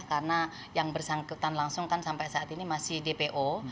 karena yang bersangkutan langsung kan sampai saat ini masih dpo